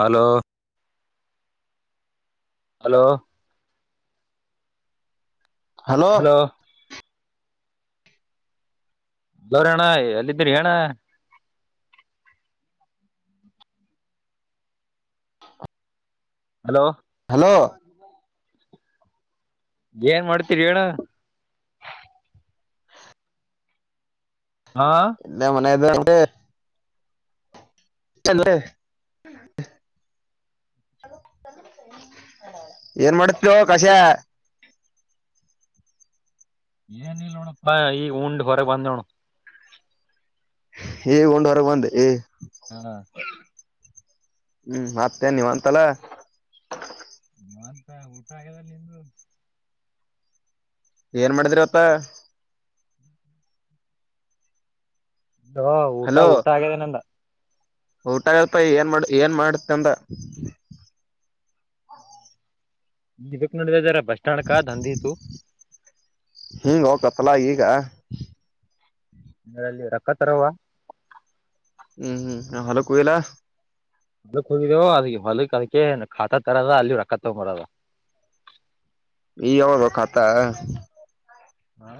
Hello hello hello ದೋರಣ್ಣ ಎಲ್ಲಿದ್ದೀರಿ ಅಣ್ಣ ಹಲೋ ಹಲೋ ಏನ್ ಮಾಡ್ತೀರಿ ಅಣ್ಣ ಹಾ ಇಲ್ಲೇ ಮನೆಯದ ಹೇಳಿ ಏನ್ ಮಾಡ್ತಿದೀನೋ ಕಷಾಯ ಏನಿಲ್ಲ ನೋಡಪ್ಪ ಈಗ ಉಂಡು ಹೊರಗೆ ಬಂದೆ ನೋಡು ಈಗ ಉಂಡ್ ಹೊರ ಬಂದಿಯೇ ಹಾ ಹಾ ಹ್ಮ್ ಮತ್ತೇ ನೀವ್ ಅಂತಲ್ಲ ಮತ್ತೆ ಊಟ ಆಗ್ಯದಲ್ಲ ನಿಂದು ಏನ್ ಮಾಡಿದ್ರಿವತ್ತ [inaudible] ಊಟ ಹಲೋ ಊಟ ಆಗ್ಯಿದೆ ನಂದು ಊಟ ಏನ್ ಮಾಡ ಏನ್ ಮಾಡತಂದ [unintelligible] ಅಲ್ಲ ಈಗ ಹೇ ನಿನ್ ರೊಕ್ಕತಾರಲ್ವ ಹ್ಮ್ ಹ್ಮ್ ಹೊಲಕೆ ಹೋಗಿಲ್ಲ ಹೊಲಕೆ ಹೋಗಿದವು ಅದ ಹೊಲಕ್ ಅದಕ್ಕೆ ಖಾತಾತರದ ಅಲ್ಲಿ ರೊಕ್ಕ ತಗೊಂಬರದ [inaudible] ಈಗಾ ಯಾವಾಗ ಖಾತಾ ಹಾ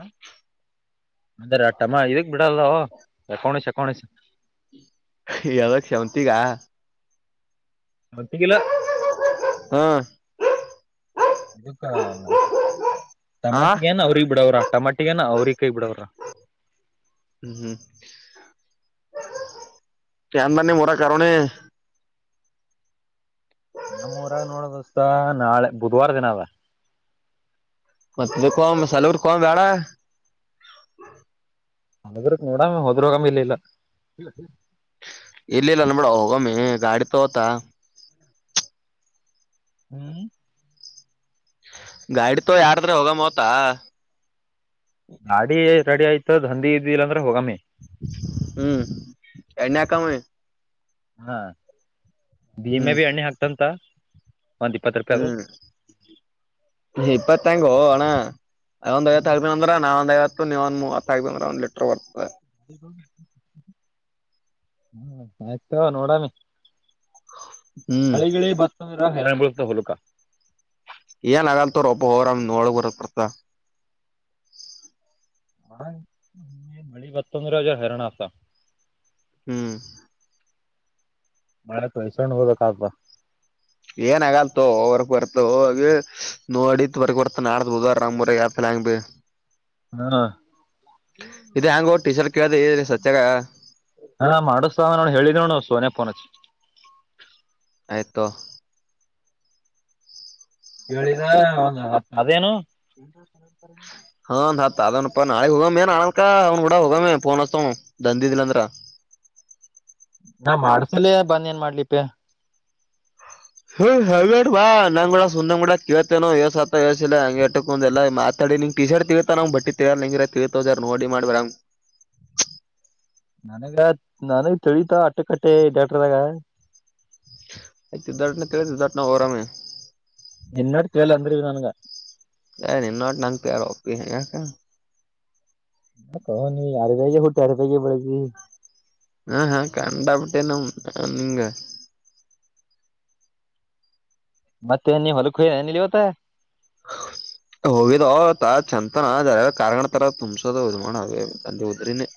ಅದೆ ತಮ್ಮ ಇದಕ್ ಬಿಡಲ್ಲಲ್ಲೊ ಸಾಕೊಂನ್ನೇ ಸಾಕೊಂನ್ನೇ ಯಾದಕ್ ಸಂತಿಂಗ ಗೊತ್ತಿಲ್ಲ ಹ್ಮ್ ಇದುಕ್ಕ ಆ ಟಮಾಟಿಗೇನ ಅವ್ರಿಗೆಗ್ ಬಿಡವ್ರ ಟಮಾಟಿ ಏ ಅವ್ರಿಗೆ ಕೈ ಬಿಡವ್ರ ಹ್ಮ್ ಹ್ಮ್ [unintelligible] ಕಾರಣೆ ನಮ್ಮೂರಾಗ ನೋಡದಸತ ನಾಳೆ ಬುಧವಾರ ದಿನದ ಇಕ್ಕ ಸಾಲೂರ್ ಹೋಗೋದು ಬೇಡ ಸಾಲೂರ್ ನೋಡಂ ಹೋದ್ರ ಹೋಗಂಬ ಇಲ್ಲಿ ಇಿಲ್ಲ ಇಲ್ಲಿ ಇಲ್ಲಬಿಡು ಹೋಗಮೀ ಗಾಡಿ ತಕೋತ ಹ್ಮ್ ಗಾಡಿ ತೋಕೋ ಯಾರದ್ರೆ ಹೋಗಮೋತ ನಾಡಿರೆಡಿ ಆಯ್ತು ಹಂದಿಇದ್ದಿಲ್ಲ ಅಂದ್ರ ಹೋಗಮ್ಮಿ ಹ್ಮ್ ಎಣ್ಣೆ ಹಾಕಮ ಹಾ ಭೀಮೆ ಹ್ಮ್ ಬಿ ಎಣ್ಣೆ ಹಾಕ್ತಂತ ಒಂದ್ ಇಪ್ಪತ್ ರೂಪಾಯಿ ಅದು ಹ್ಮ್ ಇಪತ್ತು ಹೆಂಗೋ ಅಣ್ಣ ಅ ಒಂದ್ಐವತ್ತು ಹಾಕ್ತಿನಿ ಅಂದ್ರ ನಾನ್ ಒಂದು ಐವತ್ತು ನೀವ ಒಂದು ಮೂವತ್ತು ಹಾಕ್ತು ಅಂದ್ರ ಒಂದ್ ಲೀಟರ್ ಬರ್ತದೆ ಹ ಆಯ್ತು ತಕೊ ನೋಡಮಿ ಹ್ಮ್ ಮಳೆ ಗೇಲ್ ಬತ್ತದ ಹೆ ಬಳತ ಹಲಕ ಏನ್ ಆಗಲ್ತೋರ್ ಒಪ್ಪ ಹೋಗ್ರಮ ನೋಳಗ್ ಬರ ಬರ್ತಾ [unintelligible] ಮಳಿ ಬತ್ತಂದ್ರ ಹರನ ಅತ ಹ್ಮ್ ಮಳೆತ್ ಹೆಸಣ ಹೋದಕ್ ಆಗ್ತ ಏನ್ ಆಗಲ್ತ ಹೊರ್ಕ್ ಬರ್ತ ಹೋಗಿ ನೋಡಿತ್ರ್ ಬರ್ತ ನ ಬೋದ ರಂಗ್ರ ಆತ ಹೇಗಬೆ ಹಾ ಇದು ಹ್ಯಾಂಗೋ ಟೀ ಶರ್ಟ್ ಕೇಳದೆ ಸತ್ಯಾಗ ಹಾ ಮಾಡಿಸತಾವ ನೋಡ್ ಹೇಳಿದ್ ನೋಡುತ ಸೊನೆಫೋನ್ಚ್ಚಿ ಆಯತೋ ಹೇಳಿದ ಒಂದು ಅದೇನು ಹಾ ಹ ತಪ್ಪ ನಳೆ ಹೋಗಾಮ ಏ ನಲ್ಕ ಅವ್ನು ಕೂಡ ಹೋಗಾಮೇಫೋನ್ ಅಸತ ದಂದ ಇಿಲ್ಲ ಅಂದ್ರ ನಾ ಮಾಡ್ಸಲೇ ಬಂದ ಏನ್ ಮಾಡ್ಲಿಪ ಹ ಹೇಡ ಬಾ ನಂಗ ಕೂಡ ಸುಂದ್ ಕೂಡ ಕೇತೇನೋ ಯಸತ ಯಸಿಲ್ಲ ಹಂಗಗೆಟಕಂದ ಎಲ್ಲ ಮಾತಾಡ ಲೀ ನೀ ಟೀಶರ್ಟ್ ತಿಗತನ್ ಬಟ್ಟಿಂಗರ ತಿತರ್ ನೋಡಿ ಮಾಡ್್ರಾರ ನನಗ ನನಗ್ ತಿಳಿತ ಅಟ್ಟೆಕಟ್ಟೆ ಡಾಕ್ಟರ್ದಾಗ ಮಾತೆ ಇದೀಗ [unintelligible] ನಿನ್ನೋಡಿ ಕೇಳೇಳ ಅಂದ್ರೀ ನಾನುಗೆ ಏ ನಿನ್ನ ನಂಗ ಪಿ ಆರ ಪಿ ಹಕ ನಾ ಕ ನೀ ಯಾರ ಬಾಯಗೆ ಹುಟ್ಟಿ ಯಾರ ಬಾಯಗೆ ಬೆಳಗ್ಿ ಹಾ ಹಾ ಕಂಡಾಪಟ್ಟೆನ ನೀಂಗ ಮತ್ತೆ ನೀ ಹೊಲಕ್ ಹ ನಿಲ್ಲಿವತ್ತ ಹೋಗಿದ ಚಂತನ ಕಾರ್ ತರ ತುಂಬಸೋದು ಅವನ ಲೀ ಉದೇರೇನೆ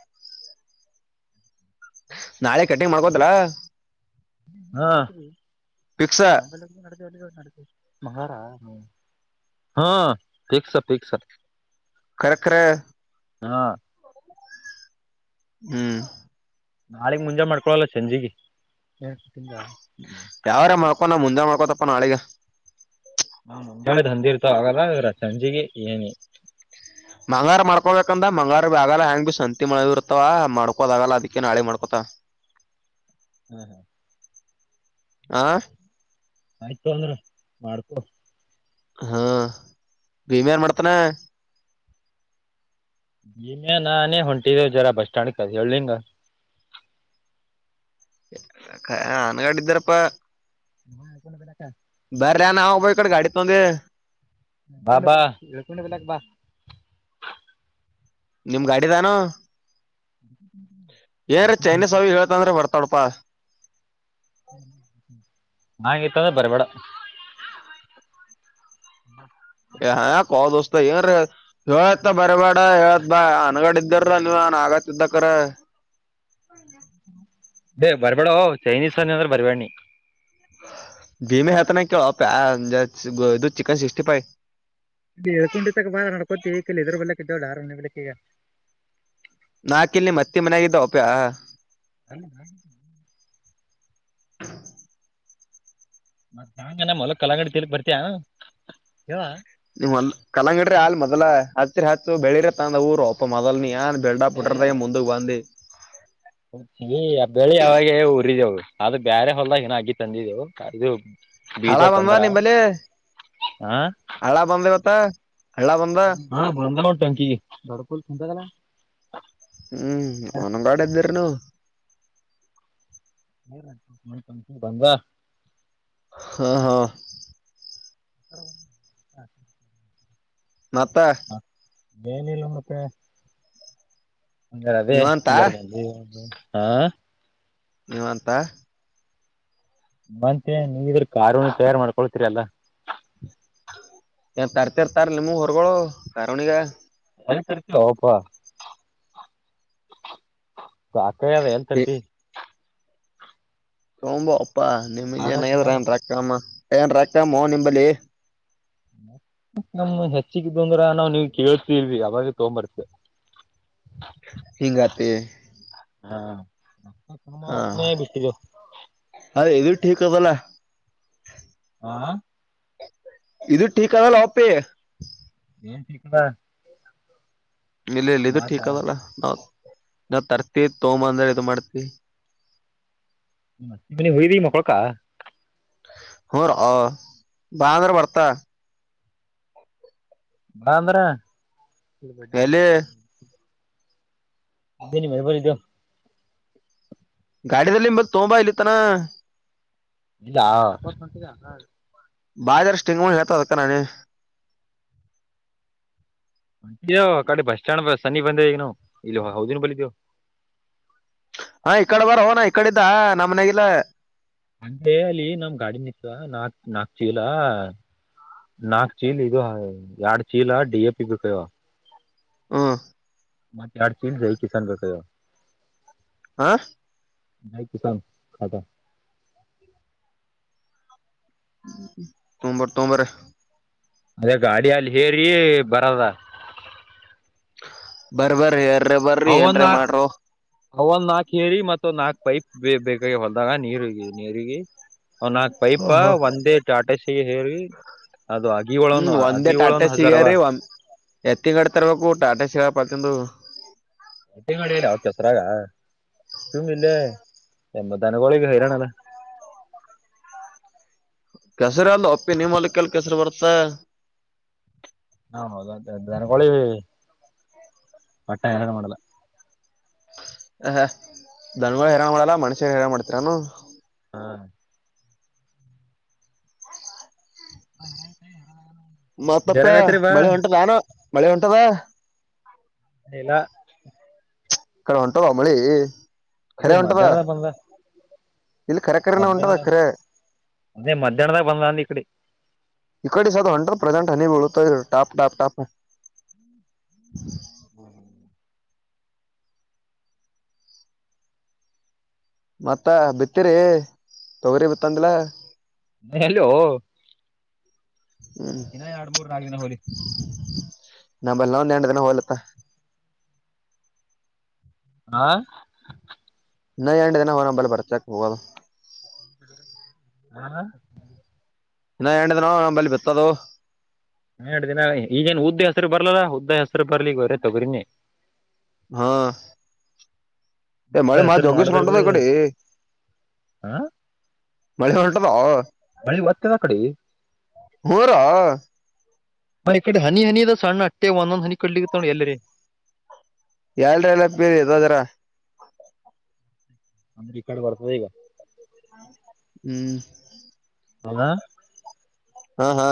ನಾಳೆ ಕಟ್ನಿಂಗ್ ಮಾಡ್ಕೋದ್ರ ಹ ನಲ್ಲ ಮಾರ [unintelligible] ಹಾ ಟೀಕೆ ಸರ್ ಟೀಕೆ ಸರ್ ಕರಕ್ಕರ ಹಾ ಹ್ಮ್ ನಾಳಗ್ ಮುಂಜೆ ಮಾಡ್ಕೊಳಲ್ಲ ಸಂೆಜಿಗೆ ಯಾವಾರ ಮ್ಕೊ ನ ಮುಂದೆ ಮಾಡ್ಕೊತಪ್ಪ ನಾಳೆಗ ನ ಅಂದಿ ಇರ್ತವ ಆಗಲ್ಲ ಸಂಜಿಗೆ ಏನಿ ಮಂಗಾರ ಮಾಡ್ಕೊಬೇಕಂದ ಮಂಗಾರ ಭ ಆಗಲ್ಲ ಹೆಂಗ ಭ ಸಂತಿ ಮಳ ಇರ್ತವ ಮಾಡ್ಕೋದ ಆಗಲ್ಲ ಅದಕ್ಕೆ ನಾಳೆ ಮಾಡ್ಕೊತ ಹ್ಮ ಹಾ ಆಯ್ತು ಅಂದ್ರ ಮಾಡ್ಕೊ ಹಾ ಬೀಮ್ಯ ಏನ್ ಮಾಡ್ತಾನ ನೀನ ನಾನೇ ಹೊಂಟಿದೆ ಜರಾ ಬಸ್ ಸ್ಟ್ಯಾಂಡ್ ಕಾ ಹೇಳಳ್ಲಿಿಂಗ ಅನ್ಗಾಡ ಇದಿದ್ದಾರಪ್ಪಾ ಹಾ ಕನ ಬೆಳ ಕ [unintelligible] ಬರ್ರನಾಬ ಈ ಕಡೆ ಗಾಡಿ ತಂದ ಬಾ ಬಾ ಇ ಕನ ಬಲ ಬಾ [unintelligible] ನಿಮ್ ಗಾಡಿಿದಾನು ಏನ್ೀ ಚೈನೀಸ್ ಅವಿ ಹೇಳ್ತ ಅಂದ್ರ ಬರ್ತಾಡಪಾ ನಾಳೆ ಇತ್ತದ ಬರಬೇಡ ಹ ಕೋ ದಸ್ತ ಏನ್ೀ ಹೇಳತ ಬರಬೇಡ ಹೇಳತ್ ಬಾ ಅನಗಡಿದ್ದ ಇದರ ನೀವ ನಾನು ಆಗತ್ತ್ದಕ್ಕರ ಲೀ ಬರಬೇಡ ಓ ಚೈನೀಸ್ ಅಂದ್ರೆ ಬರ್ಬೇಡ್ಣ ದಿನ ಹತನ ಕೇಳೋಅಪ್ಪ್ಯಾ ಇದು ಚಿಕನ್ ಸಿಕ್ಸ್ಟಿ ಫೈ್ ಇಲಕೊಂಡ ಇತ್ತಾಗ ಬಾ ನಡ್ಕೊಂತ ಈ ಕಲ್ಲಿ ಇದ್ರ ಮನೆಗ ಬರ್ಕಕ್ಕೆ ಆರ್ಡ್ಕ್ಕೆ ಈಗ ನಾಕ ಇಲ್ಲಿ ಮತ್ತೆ ಮನ್ಯಾಗಿದ್ದ ಒಪ್ಯ ಅ ಮತ್ತ ಹಂಗ ನ ಮೊಲಕ್ ಕಲಂಗಡಿ ತಿನಾಕ್ ಬರ್ತಯ ನೀವ ಮೊದ್ ಕಲಂಗಡಿ್ರ ಅಲ್ ಮೊದಲ ಹಚ ಹಚ್ಚ ಬೆಳಿರತ್ತ ಅಂದ ಊರುಪ್ಪ ಮೊದಲ್ನ ನೀ ಯ ಎಲ್ಲ ಪೆಟ್ರೋಲ್ ದಾಗ ಮುಂದ ವಾಂದಿ ಬೆಳೆ ಯಾವಾಗ ಊರಿದವು ಅದು ಬ್ಯಾರೆ ಹೊಲ್ದಾಗ ನ ಅಗಿ ತಂದಿದ್ದವು ಅದು ಹಳ್ಳ ಬಂದ್ವಾ ನಿಮಲ್ಲಿ ಹಾ ಹಳ್ಳ ಬಂದ್ವತ್ತ. ಹಾ ಬಂದ ನಟಂಕಿ ದೊಡ್ಡ ಫುಲ್ ತುಂಬೇದ. ಹ್ಮ್ ಅವನುಂಗಾಡ ಇದ್ದಿರನು [inaudible] ಬಂದ ಹಾ ಹಾ ಹ ಹ ಮತ್ತ ಎನಿಲ್ಲ ಮತ್ತೆ ರ ಅದೇ ನೀವಂತ ಜರ್ಗ ಹಾ ನೀವ ಅಂತಾ ಮತ್ತೆ ನೀವ ಇದ್ರ ಕಾರನು ತಯಾರ್ ಮಾಡ್ಕೊಳ್ತೀರಿ ಅಲ್ಲ ಏ ತರ್ತಿರ್ ತರುಣಿ ನಿಮ್ ಉರಿಗ ಕಾರಣಿಗ ಅಲ್ಲಿ ತರ್ತ ಓಪ ಸಾಕಾಗ್ದ ಎಲ್ಲಿ ತರ್ತಿ ತೊಂಬಾ ಅಪ್ಪಾ ನಿಮ್ ಬ್ಯಾಡ ಅಂತ ಏನಯ್ರ ಹೇಳ್ಯಾರ ಏನ್ ರಕ್ಕಮ್ಮ ಏನ್ ರಕ್ಕಮ್ಮ ನಿಂಬಲ್ಲಿ ನಮ್ಮ ಹೆಚ್ಚಗಿದ್ದು ಬಂದ್ರ ನಾವ್ ನೀವ್ ಕೇಳ್ತಲ್ವಿ ಅವಾಗ ತಗ್ಂಬರ್ತ [inaudible] ಹಿಂಗತೆ ಹಾ ತಮ್ಮತ ಬಿಟ್ಟಿ ಟೀಕ್ ಬೊಲ್ ಆ ಇದು ಟೀ ಕಾಯ್ ಲ್ಲ ಹಪ್ಪೇ ಏನ್ ಸಿಕ್ಕಡ ಇಲ್ಲ ಇಲ್ಲ ಇದು ಕ ಅದಲ್ಲ ನ ನಾ ತರ್ತಿ ತೋಂಬದ ಇದು ಮಾಡ್ತಿ ಹ ನಿಮ್ ಅತ್ತಿ ಮನೆಗೆ ಹೋಗಿದಿ ಮಕ್ಕೊಳಕ ಹೋ ರ ಅ ಬಾ ಅಂದ್ರ ಬರ್ತಾಳಾ ಬ ಅಂದ್ರ ಎಲ್ಲಿ [unintelligible] ಬನ ಭ ಬರಿ ದ [inaudible] ಗಾಡಿದಲ್ಲಿ ನಿಂಬಲ್ ತೋಂಬಾ ಇಲ್ಲಿತ್ತನ ಇಲ್ಲಾ ಬಾಜಾರಷ್ಟುಟಿಂಗ ಹೇಳ್ತಾವ ಅಕ್ಕ ನಾನನೆ ಕಡೆ ಬಸ್ ಸ್ಟ್ಯಾಂಡ್ ಬ ಸನ್ನಿ ಬಂದೆ ಈಗ ನಾವು ಇಲ್ಲಿ ಹೌದನ್ ಬಲಿದೇವು ಹ ಈಕಡೆ ಬರ ಹೋಣ ಇಕಡೆದ್ದ ನಮ್ಮನೆಗಲ್ಲ ಅಂದೆ ಅಲ್ಲಿ ನಮ ಗಾಡಿ ನೀಚಲ್ ನಾಕ್ ನಾಕ್ ಚೀಲ ನಾಕ್ ಚೀಲ್ ಇದು ಎರಡ್ ಚೀಲ ಡಿ ಎ ಪಿ ಬೇಕಗಿವ ಹಾ ಮತ್ತ ಎರಡ ಚೀಲ ಚಿಕನ್ ಬೇಕಾಗೇವ ಆ ನೈ ಕಿಸನ್ ಅದ ತೊಂಬರ್ ತೊಂಬ್ರ ಅದೇ ಗಾಡಿ ಅಲ್ಲಿ ಹೇರಿ ಬರದ ಬರಬರ ಯಾರ ಅವ ಅವನ ಕೇಳಿ ಹೇಳಿ ಮತ್ತ ನಾಲ್ಕ್ ಪೈಪ್ ಬ ಬೇಕಾಗಿ ಹೊಲ್ದಾಗ ನೀರುಗಿ ನೀರಿಗಿ ಒ ನಾಕು ಹಾ ಪೈಪಾ ಹಾ ಒಂದೇ ಟಾಟೆಸ್ ಹೇರಿ ಅದು ಅಗಿ ಒಳನು ಅಗಿ ಒಳನ್ ಹಜಾರವಾ ಎತ್ತಿಂಗಡಿ ತರಬೇಕಬೇಕು ಟಾಟಾ ಶಿರಾ ಪಕಂದು ಹೊಟ್ಟೆ ಮಾಡಿಲ್ಲ ಅವ ಕೆಸರಾಗ ಚು ಇಲ್ಲೇ ಎಮ್ಮತಾನಗಳ ಹೈರಾಣಲ್ಲ ಕೆಸರಿ ಅಲ್ಲ ಅಪ್ಪಿ ನಿಮಲಿಕ್ಕೆಲ್ ಕೆಸರು ಬರ್ತ ಹಾ ಹೌದಕಳಿ ಪಟ್ಟ ಯರಡು ಮಾಡಲ್ಲ ಹ ಹ ದನ್ಗಳ ಹೇರಾ ಮಾಡಲ್ಲ ಮನುಷ್ಯ ಹೆರ ಮಾಡ್ತರಿ ನಾನು ಹಾ ಹ ಮತ್ತಪ್ಪ ಮಳೆ ಹೊಂಟದಾನ ಮಳೆ ಹೊಂಟದ ಎಲ್ಲ ಕಡ ಹೊಂಟುವ ಮಿ ಇಗ ಮಧ್ಯಾಹ್ನದ ಬಂದದ ಇಲ್ಲಿ ಖರೆ ಖರೆನ ಮಧ ಹೊಂಟದ ಖರೆ ಅದೇ ಮಧ್ಯಾನದ ಬಂದ ಅ ಇಡೆ ಈ ಕಡೆ ಸದು ಹಂಟ್ರದ ಪ್ರೆಸೆಂಟ್ ಹನಿ ಬೀಳುತ್ತಾರು ಟಾಪ್ ಟಾಪ್ ಟಾಪ್ ಮತ್ತ ಬಿತ್ತೀರಿ ತಗರಿ ಬಿತ್ತಂದಲ ಹಲೋ ಹ್ಮ್ ಇನ್ನ ಎರಡ್ ಮೂರ್ಗಿನ ಹೋಳಿ ನಂಬಲ್ ನಾ ನೆಂಡ ದನ ಹೋಲತ್ತ ಹ ನ ಆಂಟ ಇನ ಹೊಣ ಬಲ್ ಬರ್ಚ ಹ ಹಾ ಇನ್ನ ಎಂಟ್ ದಿನ ಬಲ್ಲಿ ಬಿತ್ತದು ಹಾ ಎ್ದನ ಈಗೇನ್ ಉದ್ದ ಹೆಸರು ಬರ್ಲಲ್ಲಾ ಉದ್ದ ಹೆಸರು ಬರ್ಲಿ ವರೇ ತೊಗ್ರನಿ ಹಾ ಮಳಿ ಮಾ ಹೆಸರು ಜೋಗೇಶ್ವರ ಮಾಡಿದ್ರ ಬಿ ಉಂಟದ ಇ ಕಡೆ ಹಾ? ಮಳೆ ಹೊಂಟದ ಬಳಿ ಒತ್ತದ ಅ ಕಡೆ ಹೂರ ಹಾ ಈ ಕಡೆ ಹನಿ ಹನಿದ ಸಣ್ಣ ಅಟ್ಟೆ ಒಂದೊಂದ್ ಹನಿ ಕಡ್ಲಿ ತ ಎಲ್ಲರಿ ಯಲ್ರಿ ಎಲ್ಲ ಬೇರ್ ಯದದ್ರ ಅಂದ್ರ ಕಾರ್ಡ್ ಬರ್ತದೆ ಈಗ ಹ್ಮ್ ಹಲ ಹಾ ಹಾ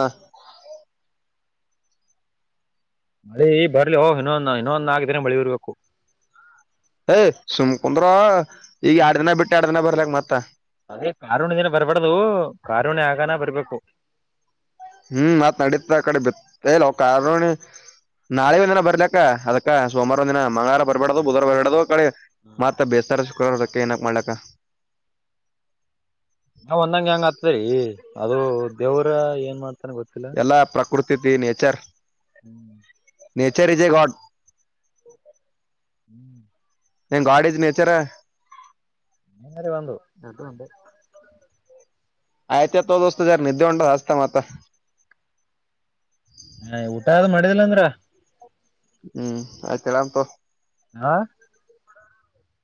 ಮಳಿ ಬರ್ಲಿ ಹೋ್ ಇನ್ನೊಂದ ಇನ್ನೊಂದ ಆಗಿದ್ರೆ ಮಳಿ ಇರ್ಬೇಕು [unintelligible] ಯ್ ಸುಮ್ಕುಂದ್ರ ಈಗ ಎರ್ಡ್ ದಿನ ಬಿಟ್ಟ ಎರ್ಡ್ ದಿನ ಬರ್ಲಕ್ ಮತ್ತ ಅದೇ ಕಾರುಣ ದಿನ ಬರ್ಬಾರ್ದು ಕಾರುಣಿ ಆಗಾನ ಬರ್ಬೇಕು ಹ್ಮ್ ಮಾತ್ ನಡತ ಆ ಕಡೆ ಬಿತ್ತಲ್ಲ ಅವ ಕಾರಣ ನಾಳ ಒಂದಿನ ಬರ್ದಾಕ್ಕ ಅದಕ್ಕ ಸೋವಾರ ಒಂದ ದಿನ ಮಗಳವಾರ ಬರ್ಬಾರ್ದ ಬುಧವಾರ ಬರಬಾರ್ದು ಕಳ ಮತ್ತ ಬೇಸ್ತರ ಶುಕ್ರವಾರದಕ್ಕೆ ಏನಕ್ ಮಾಡ್ಲಕ್ಕ ನಾವ್ ಒಂದಂಗ ಹೆಂಗ ಆತದರಿ ಅದು ದೇವ್ರ ಏನ್ ಮಾಡ್ತನ್ ಗೊತ್ತಿಲ್ಲ ಕೊಡ್ತಿದ್ದೀನ್ ಎಚರ್ ಹ್ಮ್ ನೇಚರ್ ಇಸ್ ಎ ಗಾಡ್ ಹ್ಮ್ ಹೆಂಗ್ ಗಾಡಿದ ನಚರ [unintelligible] ಹರೆ ಬಂದುು [inaudible] ಆಯ್ತ ಅತ್ವಾ ದೋತ ಜಾರ ನಿದ್ದೆ ಉಂೊಂಡ ಅಸ್ತ ಮತ [unintelligible] ಹ ಊಟ ಆದ್ ಮಾಡಿದಿಲ್ಲ ಅಂದ್ರ [unintelligible] ಹ್ಮ್ ಆಯ್ತರಾಮ ತ [inaudible] ಹಾ